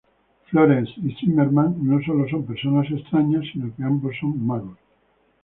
Florence Zimmermann, no sólo son personas extrañas, sino que ambos son magos.